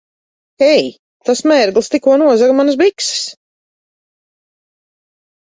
Ei! Tas mērglis tikko nozaga manas bikses!